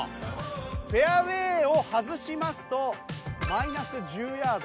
フェアウェーを外しますとマイナス１０ヤード。